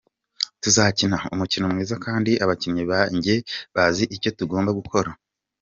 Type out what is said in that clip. Tuzakina umukino mwiza kandi abakinnyi banjye bazi icyo tugomba gukora.